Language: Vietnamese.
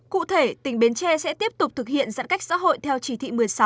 cụ thể tỉnh bến tre sẽ tiếp tục thực hiện giãn cách xã hội theo chỉ thị một mươi sáu